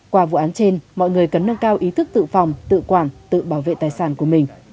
qua vụ án trên mọi người cần nâng cao ý thức tự phòng tự quản tự bảo vệ tài sản của mình